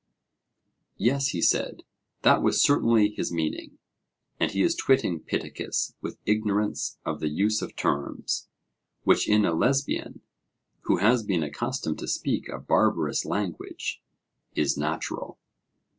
Yes, he said, that was certainly his meaning; and he is twitting Pittacus with ignorance of the use of terms, which in a Lesbian, who has been accustomed to speak a barbarous language, is natural.